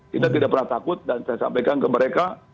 kita tidak pernah takut dan saya sampaikan ke mereka